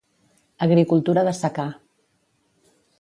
Agricultura de secà.